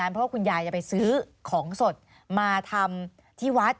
เพราะว่าคุณยายจะไปซื้อของสดมาทำที่วัด